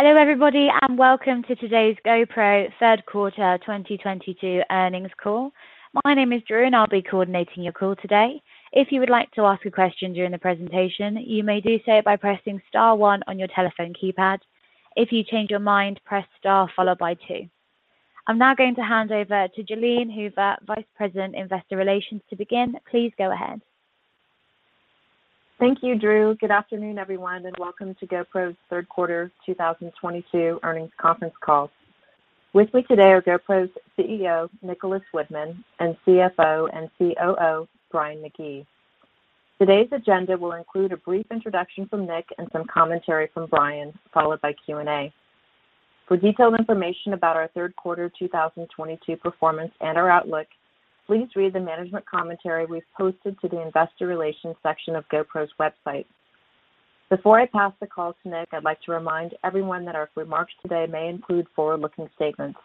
Hello, everybody, and welcome to today's GoPro third quarter 2022 earnings call. My name is Drew, and I'll be coordinating your call today. If you would like to ask a question during the presentation, you may do so by pressing star one on your telephone keypad. If you change your mind, press star followed by two. I'm now going to hand over to Jalene Hoover, Vice President, Investor Relations, to begin. Please go ahead. Thank you, Drew. Good afternoon, everyone, and welcome to GoPro's third quarter 2022 earnings conference call. With me today are GoPro's CEO, Nicholas Woodman, and CFO and COO, Brian McGee. Today's agenda will include a brief introduction from Nick and some commentary from Brian, followed by Q&A. For detailed information about our third quarter 2022 performance and our outlook, please read the management commentary we've posted to the investor relations section of GoPro's website. Before I pass the call to Nick, I'd like to remind everyone that our remarks today may include forward-looking statements.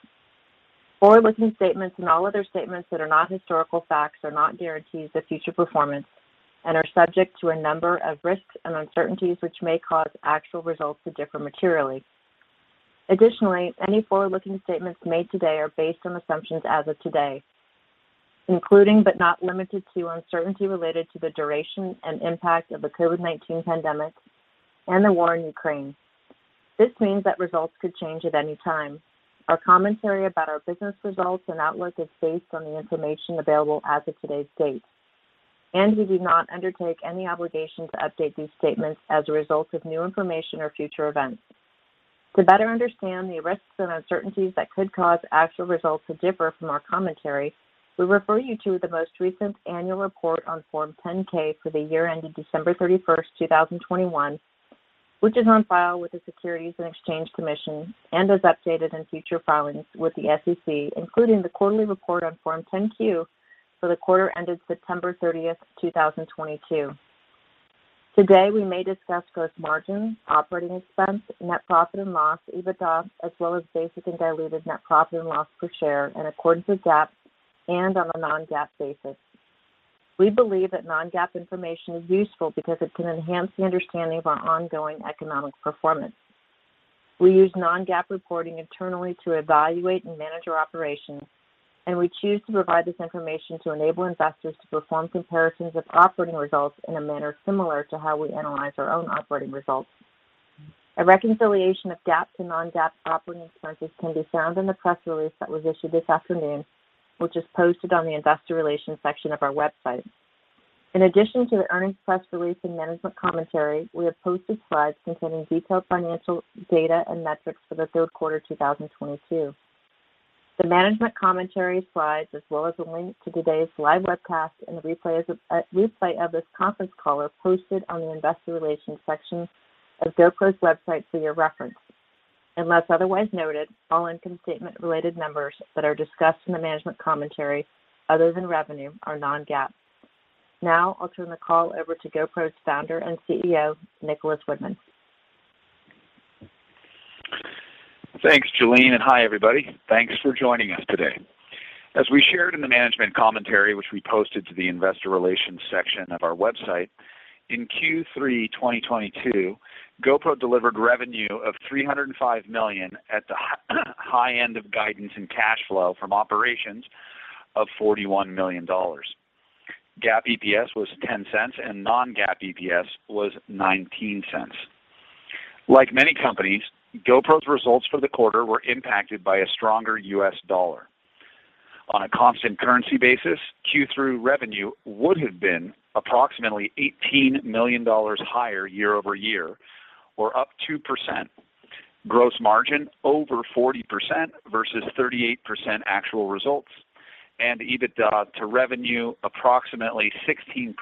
Forward-looking statements and all other statements that are not historical facts are not guarantees of future performance and are subject to a number of risks and uncertainties, which may cause actual results to differ materially. Additionally, any forward-looking statements made today are based on assumptions as of today, including, but not limited to, uncertainty related to the duration and impact of the COVID-19 pandemic and the war in Ukraine. This means that results could change at any time. Our commentary about our business results and outlook is based on the information available as of today's date, and we do not undertake any obligation to update these statements as a result of new information or future events. To better understand the risks and uncertainties that could cause actual results to differ from our commentary, we refer you to the most recent annual report on Form 10-K for the year ended December 31, 2021, which is on file with the Securities and Exchange Commission and as updated in future filings with the SEC, including the quarterly report on Form 10-Q for the quarter ended September 30, 2022. Today, we may discuss gross margin, operating expense, net profit and loss, EBITDA, as well as basic and diluted net profit and loss per share in accordance with GAAP and on a non-GAAP basis. We believe that non-GAAP information is useful because it can enhance the understanding of our ongoing economic performance. We use non-GAAP reporting internally to evaluate and manage our operations, and we choose to provide this information to enable investors to perform comparisons of operating results in a manner similar to how we analyze our own operating results. A reconciliation of GAAP to non-GAAP operating expenses can be found in the press release that was issued this afternoon, which is posted on the investor relations section of our website. In addition to the earnings press release and management commentary, we have posted slides containing detailed financial data and metrics for the third quarter 2022. The management commentary slides as well as a link to today's live webcast and replay of this conference call are posted on the investor relations section of GoPro's website for your reference. Unless otherwise noted, all income statement related numbers that are discussed in the management commentary, other than revenue, are non-GAAP. Now I'll turn the call over to GoPro's Founder and CEO, Nicholas Woodman. Thanks, Jalene, and hi, everybody. Thanks for joining us today. As we shared in the management commentary, which we posted to the investor relations section of our website, in Q3 2022, GoPro delivered revenue of $305 million at the high end of guidance and cash flow from operations of $41 million. GAAP EPS was $0.10 and non-GAAP EPS was $0.19. Like many companies, GoPro's results for the quarter were impacted by a stronger U.S. dollar. On a constant currency basis, Q3 revenue would have been approximately $18 million higher year-over-year or up 2%. Gross margin over 40% versus 38% actual results and EBITDA to revenue approximately 16%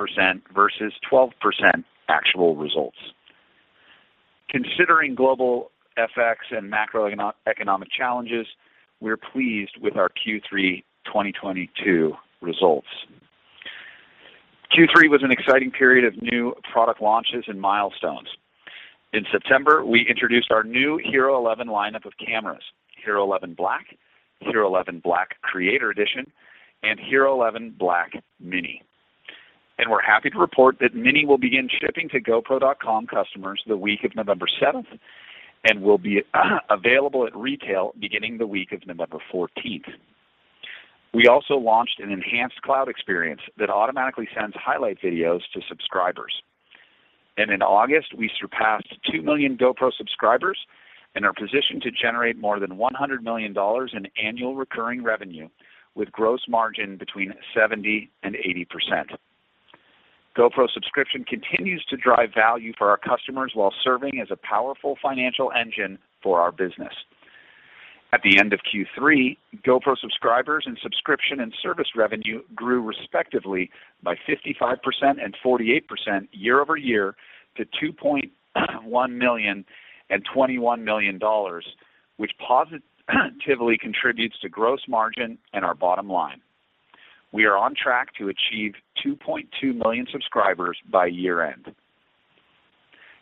versus 12% actual results. Considering global FX and macro economic challenges, we're pleased with our Q3 2022 results. Q3 was an exciting period of new product launches and milestones. In September, we introduced our new HERO11 lineup of cameras, HERO11 Black, HERO11 Black Creator Edition, and HERO11 Black Mini. We're happy to report that Mini will begin shipping to gopro.com customers the week of November seventh and will be available at retail beginning the week of November 14th. We also launched an enhanced cloud experience that automatically sends highlight videos to subscribers. In August, we surpassed 2 million GoPro subscribers and are positioned to generate more than $100 million in annual recurring revenue with gross margin between 70%-80%. GoPro Subscription continues to drive value for our customers while serving as a powerful financial engine for our business. At the end of Q3, GoPro subscribers and subscription and service revenue grew respectively by 55% and 48% year-over-year to $2.1 million and $21 million, which positively contributes to gross margin and our bottom line. We are on track to achieve 2.2 million subscribers by year-end.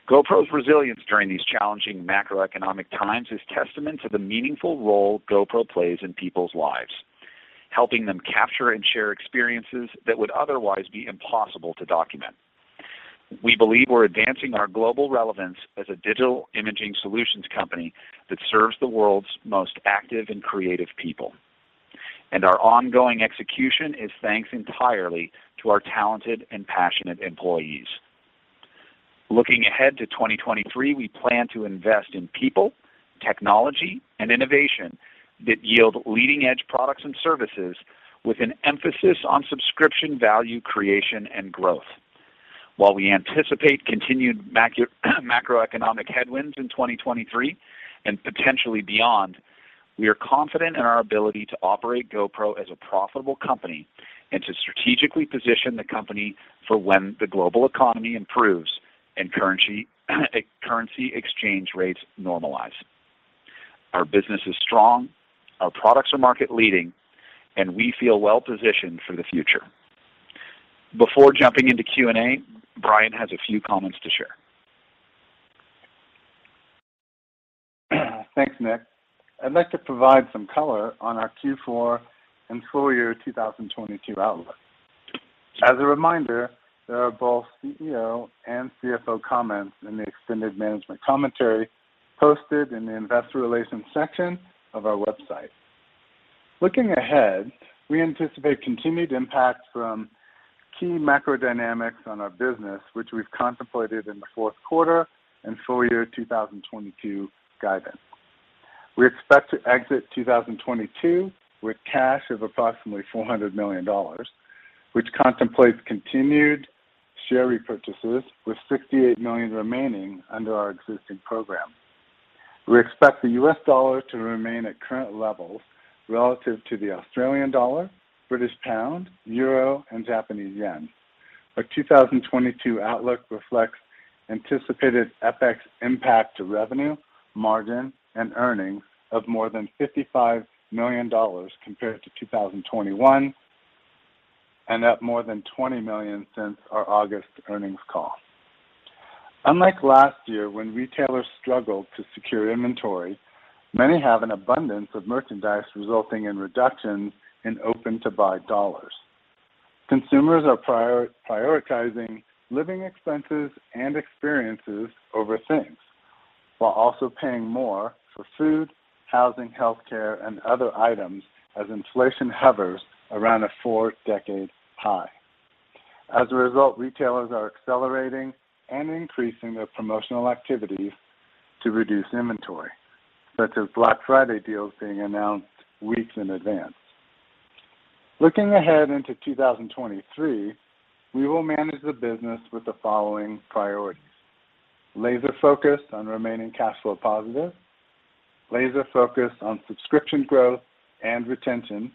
GoPro's resilience during these challenging macroeconomic times is testament to the meaningful role GoPro plays in people's lives, helping them capture and share experiences that would otherwise be impossible to document. We believe we're advancing our global relevance as a digital imaging solutions company that serves the world's most active and creative people. Our ongoing execution is thanks entirely to our talented and passionate employees. Looking ahead to 2023, we plan to invest in people, technology, and innovation that yield leading-edge products and services with an emphasis on subscription value creation and growth. While we anticipate continued macroeconomic headwinds in 2023 and potentially beyond, we are confident in our ability to operate GoPro as a profitable company and to strategically position the company for when the global economy improves and currency exchange rates normalize. Our business is strong, our products are market-leading, and we feel well positioned for the future. Before jumping into Q&A, Brian has a few comments to share. Thanks, Nick. I'd like to provide some color on our Q4 and full year 2022 outlook. As a reminder, there are both CEO and CFO comments in the extended management commentary posted in the investor relations section of our website. Looking ahead, we anticipate continued impact from key macro dynamics on our business, which we've contemplated in the fourth quarter and full year 2022 guidance. We expect to exit 2022 with cash of approximately $400 million, which contemplates continued share repurchases with $68 million remaining under our existing program. We expect the US dollar to remain at current levels relative to the Australian dollar, British pound, euro, and Japanese yen. Our 2022 outlook reflects anticipated FX impact to revenue, margin, and earnings of more than $55 million compared to 2021, and up more than $20 million since our August earnings call. Unlike last year, when retailers struggled to secure inventory, many have an abundance of merchandise, resulting in reductions in open-to-buy dollars. Consumers are prioritizing living expenses and experiences over things, while also paying more for food, housing, healthcare, and other items as inflation hovers around a four-decade high. As a result, retailers are accelerating and increasing their promotional activity to reduce inventory, such as Black Friday deals being announced weeks in advance. Looking ahead into 2023, we will manage the business with the following priorities. Laser-focused on remaining cash flow positive, laser-focused on subscription growth and retention,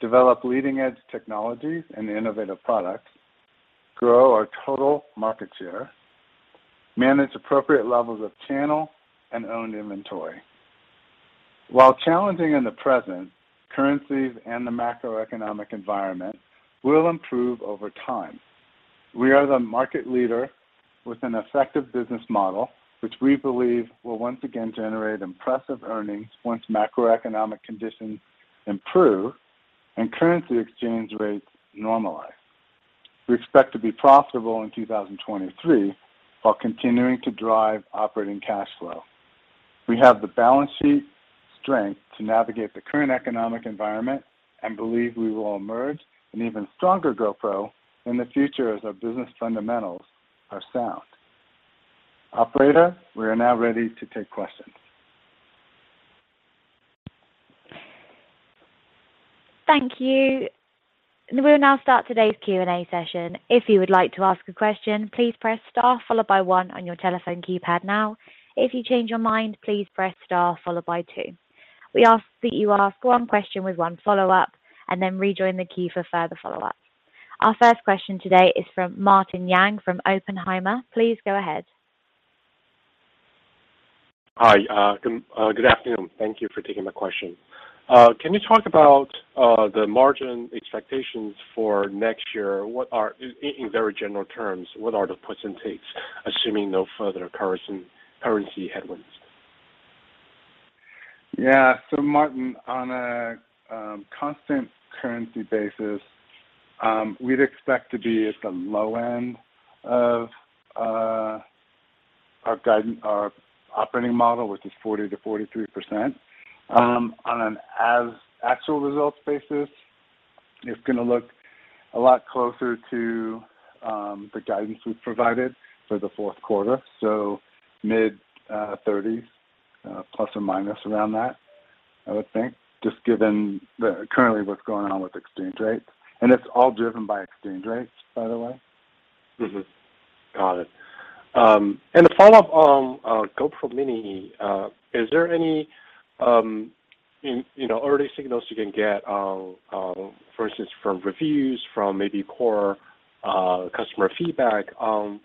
develop leading-edge technologies and innovative products, grow our total market share, manage appropriate levels of channel and owned inventory. While challenging in the present, currencies and the macroeconomic environment will improve over time. We are the market leader with an effective business model, which we believe will once again generate impressive earnings once macroeconomic conditions improve and currency exchange rates normalize. We expect to be profitable in 2023 while continuing to drive operating cash flow. We have the balance sheet strength to navigate the current economic environment and believe we will emerge an even stronger GoPro in the future as our business fundamentals are sound. Operator, we are now ready to take questions. Thank you. We'll now start today's Q&A session. If you would like to ask a question, please press star followed by one on your telephone keypad now. If you change your mind, please press star followed by two. We ask that you ask one question with one follow-up and then rejoin the queue for further follow-ups. Our first question today is from Martin Yang from Oppenheimer. Please go ahead. Hi, good afternoon. Thank you for taking my question. Can you talk about the margin expectations for next year? What are the puts and takes, in very general terms, assuming no further currency headwinds? Yeah. Martin, on a constant currency basis, we'd expect to be at the low end of our guidance, our operating model, which is 40%-43%. On a reported results basis, it's gonna look a lot closer to the guidance we've provided for the fourth quarter, so mid-30s%, ± around that, I would think, just given what's currently going on with exchange rates. It's all driven by exchange rates, by the way. Got it. A follow-up on GoPro Mini. Is there any, you know, early signals you can get on, for instance, from reviews, from maybe core customer feedback on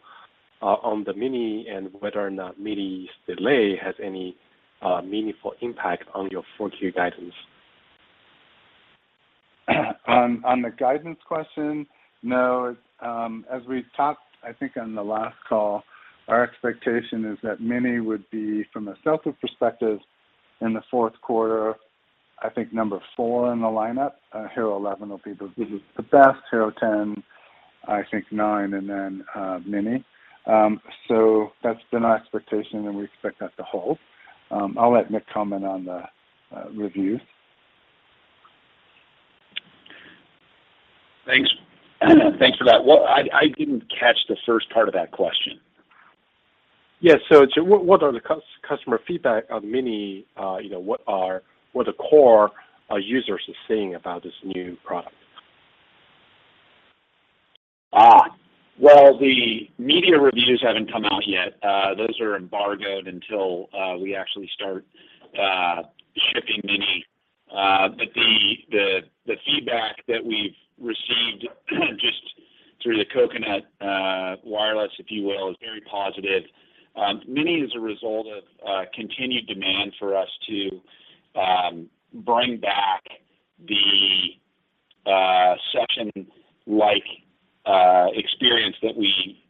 the Mini and whether or not Mini's delay has any meaningful impact on your full year guidance? On the guidance question, no. As we talked, I think on the last call, our expectation is that Mini would be, from a software perspective, in the fourth quarter. I think number four in the lineup. HERO11 Black will be the best, HERO10 Black, I think nine, and then Mini. So that's been our expectation, and we expect that to hold. I'll let Nick comment on the reviews. Thanks. Thanks for that. Well, I didn't catch the first part of that question. Yeah. What are the customer feedback on Mini? You know, what the core users are saying about this new product? Well, the media reviews haven't come out yet. Those are embargoed until we actually start shipping Mini. But the feedback that we've received just through the coconut wireless, if you will, is very positive. Mini is a result of continued demand for us to bring back the Session-like experience that we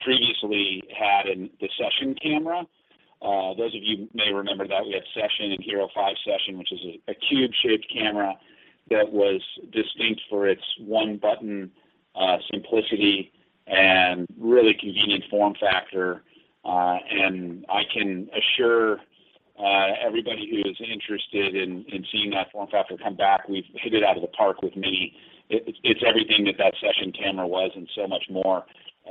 previously had in the Session camera. Those of you may remember that we had Session and HERO5 Session, which is a cube-shaped camera that was distinct for its one-button simplicity and really convenient form factor. I can assure everybody who is interested in seeing that form factor come back, we've hit it out of the park with Mini. It's everything that Session camera was and so much more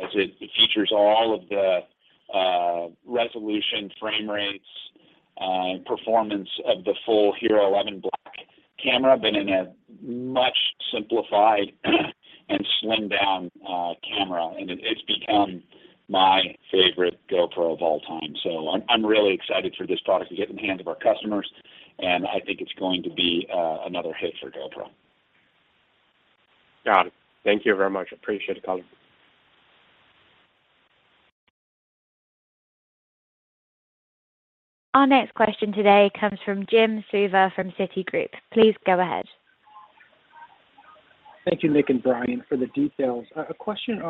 as it features all of the resolution, frame rates, performance of the full HERO11 Black camera, but in a much simplified and slimmed-down camera. It's become my favorite GoPro of all time. I'm really excited for this product to get in the hands of our customers, and I think it's going to be another hit for GoPro. Got it. Thank you very much. Appreciate the call. Our next question today comes from Jim Suva from Citigroup. Please go ahead. Thank you, Nick and Brian, for the details. I have a question.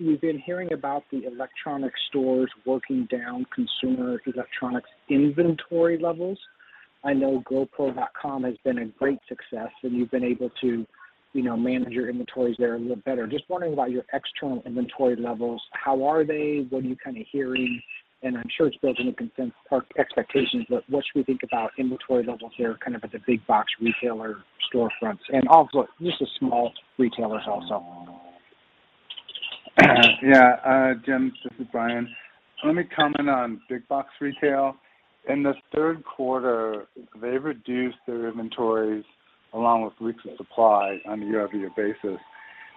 We've been hearing about the electronics stores working down consumer electronics inventory levels. I know GoPro.com has been a great success, and you've been able to, you know, manage your inventories there a little better. Just wondering about your external inventory levels. How are they? What are you kinda hearing? I'm sure it's built into consensus expectations, but what should we think about inventory levels here kind of at the big box retailer storefronts and also just the small retailers? Yeah, Jim, this is Brian. Let me comment on big box retail. In the third quarter, they reduced their inventories along with weeks of supply on a year-over-year basis.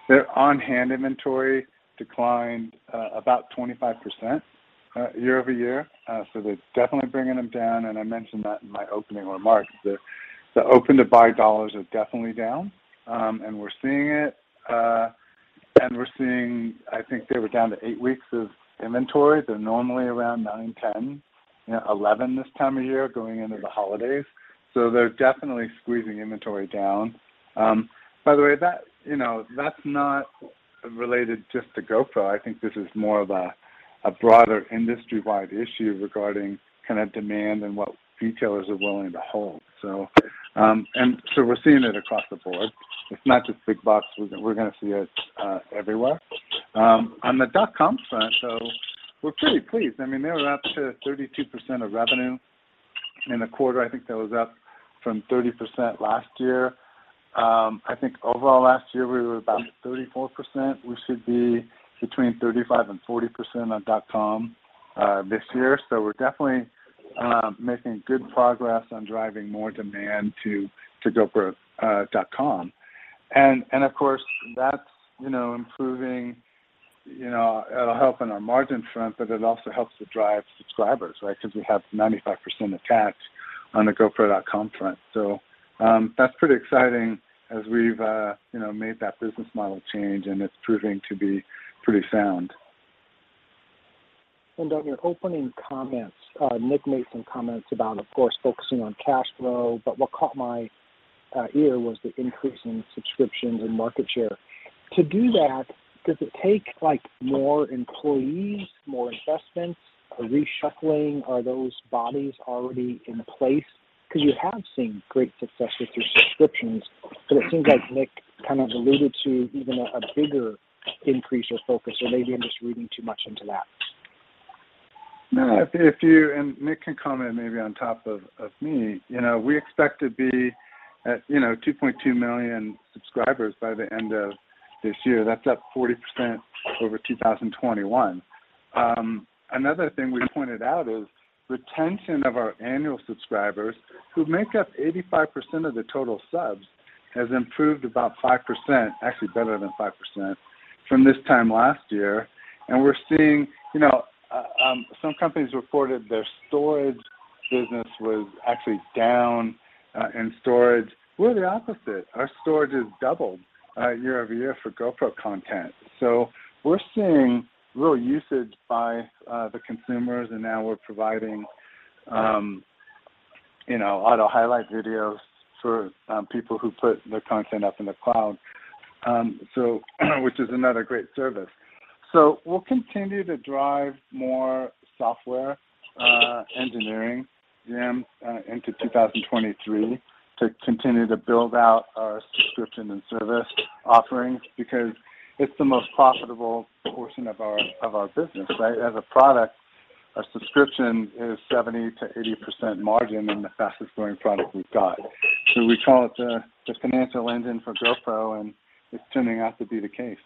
Their on-hand inventory declined about 25% year-over-year. They're definitely bringing them down, and I mentioned that in my opening remarks that the open-to-buy dollars are definitely down. We're seeing it. I think they were down to eight weeks of inventory. They're normally around nine, 10, you know, 11 this time of year going into the holidays. They're definitely squeezing inventory down. By the way, that, you know, that's not related just to GoPro. I think this is more of a broader industry-wide issue regarding kind of demand and what retailers are willing to hold. We're seeing it across the board. It's not just big box. We're gonna see it everywhere. On the dot-com front, we're pretty pleased. I mean, they were up to 32% of revenue in the quarter. I think that was up from 30% last year. I think overall last year, we were about 34%. We should be between 35%-40% on dot-com this year. We're definitely making good progress on driving more demand to gopro.com. And of course, that's improving. You know, it'll help on our margin front, but it also helps to drive subscribers, right? 'Cause we have 95% attach on the gopro.com front. That's pretty exciting as we've made that business model change, and it's proving to be pretty sound. On your opening comments, Nick made some comments about, of course, focusing on cash flow, but what caught my ear was the increase in subscriptions and market share. To do that, does it take, like, more employees, more investments, a reshuffling? Are those bodies already in place? 'Cause you have seen great success with your subscriptions, but it seems like Nick kind of alluded to even a bigger increase or focus, or maybe I'm just reading too much into that. No. If you and Nick can comment maybe on top of me. You know, we expect to be at, you know, 2.2 million subscribers by the end of this year. That's up 40% over 2021. Another thing we pointed out is retention of our annual subscribers, who make up 85% of the total subs, has improved about 5%, actually better than 5%, from this time last year. We're seeing, you know, some companies reported their storage business was actually down in storage. We're the opposite. Our storage has doubled year-over-year for GoPro content. We're seeing real usage by the consumers, and now we're providing, you know, auto highlight videos for people who put their content up in the cloud. Which is another great service. We'll continue to drive more software engineering into 2023 to continue to build out our subscription and service offerings because it's the most profitable portion of our business, right? As a product, a subscription is 70%-80% margin and the fastest-growing product we've got. We call it the financial engine for GoPro, and it's turning out to be the case.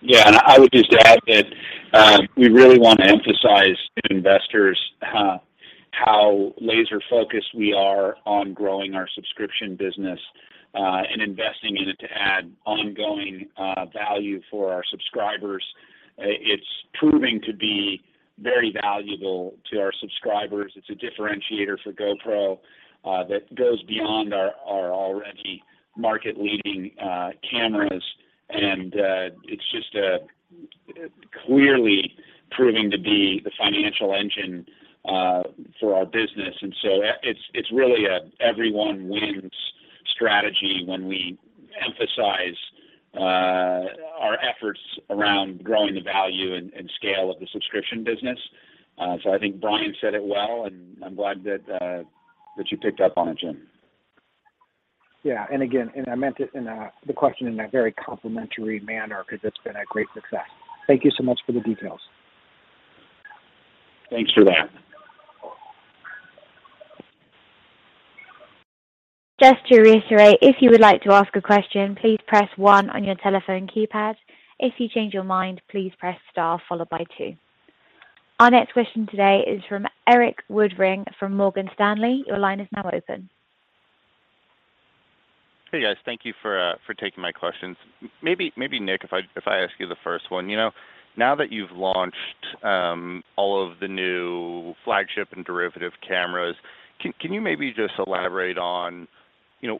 Yeah. I would just add that we really want to emphasize to investors how laser-focused we are on growing our subscription business and investing in it to add ongoing value for our subscribers. It's proving to be very valuable to our subscribers. It's a differentiator for GoPro that goes beyond our already market-leading cameras. It's just clearly proving to be the financial engine for our business. It's really a everyone wins strategy when we emphasize our efforts around growing the value and scale of the subscription business. I think Brian said it well, and I'm glad that you picked up on it, Jim. Yeah. Again, I meant the question in a very complimentary manner because it's been a great success. Thank you so much for the details. Thanks for that. Just to reiterate, if you would like to ask a question, please press one on your telephone keypad. If you change your mind, please press star followed by two. Our next question today is from Erik Woodring from Morgan Stanley. Your line is now open. Hey, guys. Thank you for taking my questions. Maybe Nick, if I ask you the first one. You know, now that you've launched all of the new flagship and derivative cameras, can you maybe just elaborate on, you know,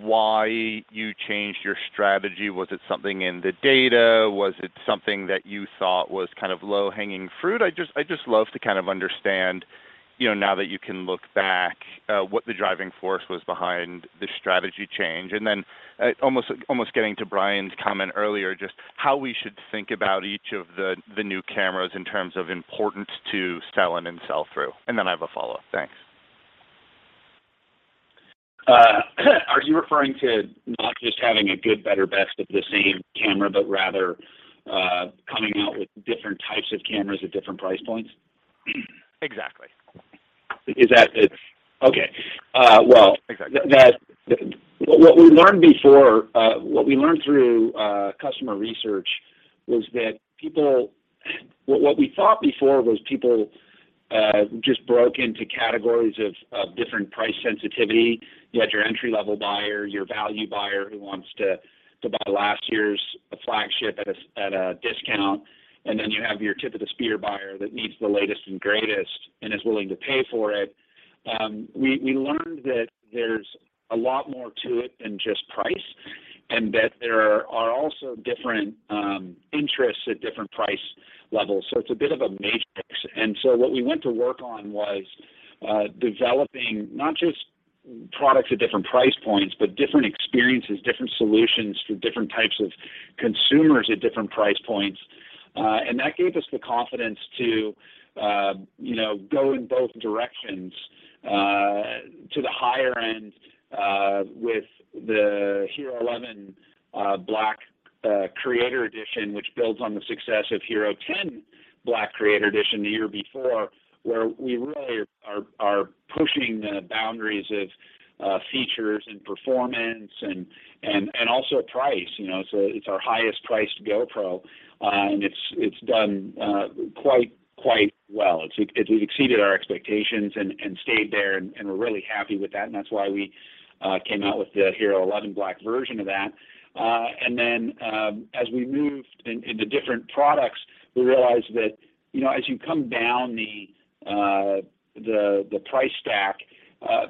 why you changed your strategy? Was it something in the data? Was it something that you thought was kind of low-hanging fruit? I'd just love to kind of understand, you know, now that you can look back, what the driving force was behind the strategy change. Almost getting to Brian's comment earlier, just how we should think about each of the new cameras in terms of importance to sell-in and sell-through. I have a follow-up. Thanks. Are you referring to not just having a good, better, best of the same camera, but rather, coming out with different types of cameras at different price points? Exactly. Is that it? Okay. Exactly. What we learned through customer research was that what we thought before was people just broke into categories of different price sensitivity. You had your entry-level buyer, your value buyer who wants to buy last year's flagship at a discount, and then you have your tip-of-the-spear buyer that needs the latest and greatest and is willing to pay for it. We learned that there's a lot more to it than just price, and that there are also different interests at different price levels. It's a bit of a matrix. What we went to work on was developing not just products at different price points, but different experiences, different solutions for different types of consumers at different price points. that gave us the confidence to, you know, go in both directions, to the higher end, with the HERO11 Black Creator Edition, which builds on the success of HERO10 Black Creator Edition the year before, where we really are pushing the boundaries of features and performance and also price. You know, it's our highest priced GoPro, and it's done quite well. It exceeded our expectations and stayed there, and we're really happy with that, and that's why we came out with the HERO11 Black version of that. As we moved into different products, we realized that, you know, as you come down the price stack,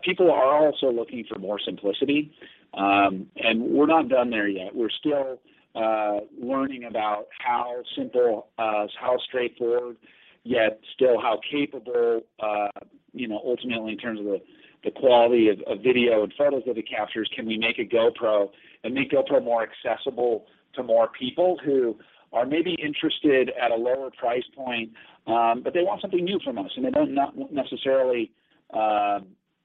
people are also looking for more simplicity. We're not done there yet. We're still learning about how simple, how straightforward, yet still how capable, you know, ultimately in terms of the quality of video and photos that it captures, can we make a GoPro and make GoPro more accessible to more people who are maybe interested at a lower price point, but they want something new from us, and they don't necessarily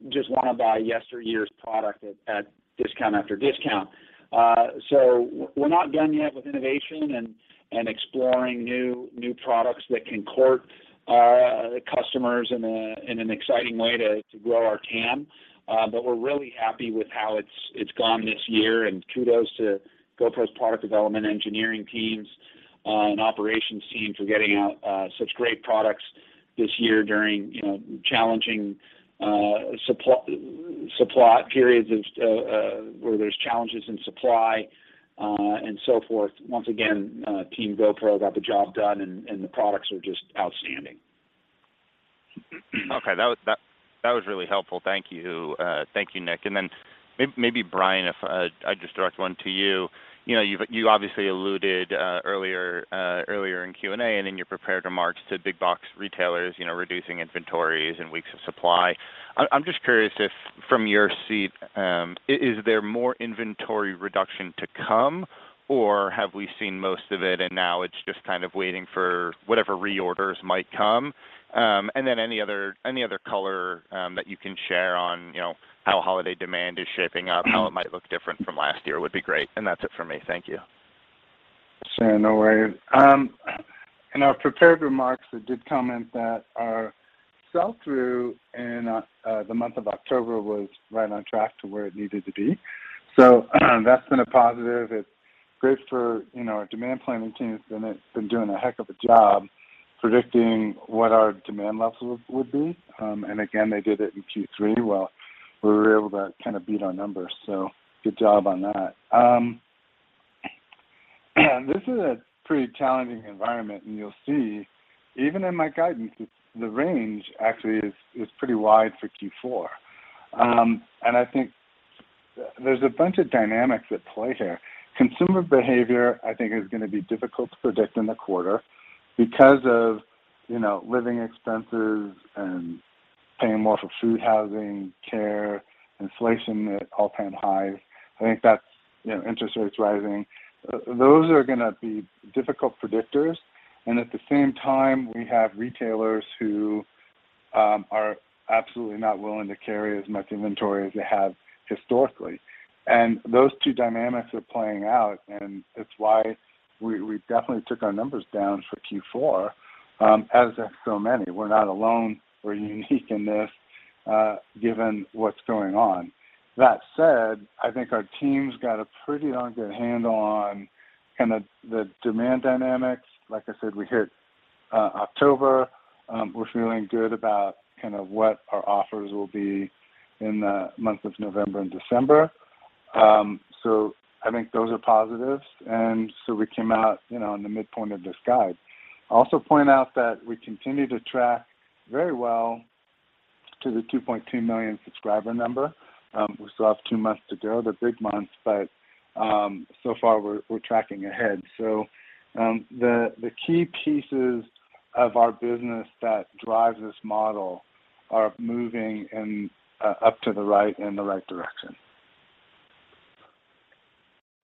just wanna buy yesteryear's product at discount after discount. We're not done yet with innovation and exploring new products that can court our customers in an exciting way to grow our TAM. We're really happy with how it's gone this year, and kudos to GoPro's product development engineering teams and operations team for getting out such great products this year during, you know, challenging supply periods where there's challenges in supply and so forth. Once again, Team GoPro got the job done and the products are just outstanding. Okay, that was really helpful. Thank you. Thank you, Nick. Then maybe Brian, if I just direct one to you. You know, you obviously alluded earlier in Q&A, and in your prepared remarks to big box retailers, you know, reducing inventories and weeks of supply. I'm just curious if from your seat, is there more inventory reduction to come, or have we seen most of it and now it's just kind of waiting for whatever reorders might come? Then any other color that you can share on, you know, how holiday demand is shaping up, how it might look different from last year would be great. That's it for me. Thank you. Sure. No worries. In our prepared remarks, it did comment that our sell-through in the month of October was right on track to where it needed to be. That's been a positive. It's great for you know, our demand planning team has been doing a heck of a job predicting what our demand levels would be. Again, they did it in Q3. Well, we were able to kind of beat our numbers, so good job on that. This is a pretty challenging environment, and you'll see even in my guidance, the range actually is pretty wide for Q4. I think there's a bunch of dynamics at play here. Consumer behavior I think is gonna be difficult to predict in the quarter because of you know, living expenses and paying more for food, housing, care, inflation at all-time high. I think that's, you know, interest rates rising. Those are gonna be difficult predictors. At the same time, we have retailers who are absolutely not willing to carry as much inventory as they have historically. Those two dynamics are playing out, and it's why we definitely took our numbers down for Q4, as have so many. We're not alone or unique in this, given what's going on. That said, I think our team's got a pretty good handle on kind of the demand dynamics. Like I said, we hit October. We're feeling good about kind of what our offers will be in the month of November and December. I think those are positives. We came out, you know, in the midpoint of this guide. I also point out that we continue to track very well to the 2.2 million subscriber number. We still have two months to go, the big months, but so far we're tracking ahead. The key pieces of our business that drive this model are moving up to the right in the right direction.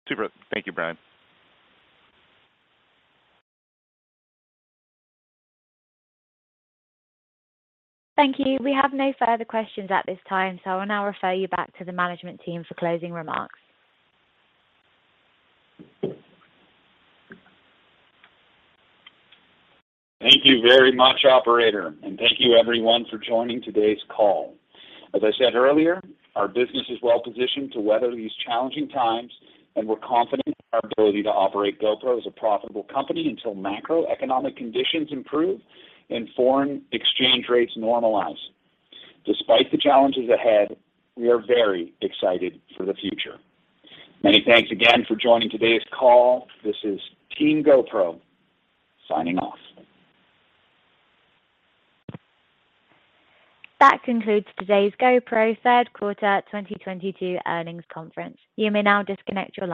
Super. Thank you, Brian. Thank you. We have no further questions at this time, so I'll now refer you back to the management team for closing remarks. Thank you very much, operator, and thank you everyone for joining today's call. As I said earlier, our business is well positioned to weather these challenging times, and we're confident in our ability to operate GoPro as a profitable company until macroeconomic conditions improve and foreign exchange rates normalize. Despite the challenges ahead, we are very excited for the future. Many thanks again for joining today's call. This is team GoPro signing off. That concludes today's GoPro third quarter 2022 earnings conference. You may now disconnect your lines.